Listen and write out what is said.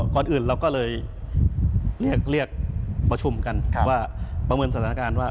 ก่อนอื่นเราก็เลยเรียกประชุมกันว่าประเมินสถานการณ์ว่า